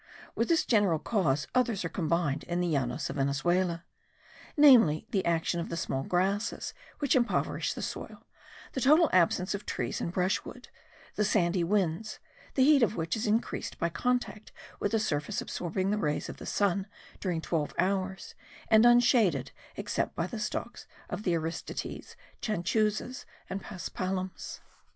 With this general cause others are combined in the Llanos of Venezuela; namely the action of the small grasses which impoverish the soil; the total absence of trees and brushwood; the sandy winds, the heat of which is increased by contact with a surface absorbing the rays of the sun during twelve hours, and unshaded except by the stalks of the aristides, chanchuses, and paspalums.